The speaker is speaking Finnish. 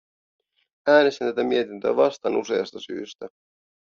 Äänestän tätä mietintöä vastaan useasta syystä.